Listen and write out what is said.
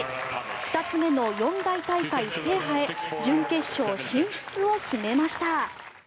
２つ目の四大大会制覇へ準決勝進出を決めました。